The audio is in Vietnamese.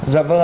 dạ vâng ạ